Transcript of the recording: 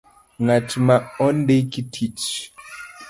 Ng'at ma ondiki tich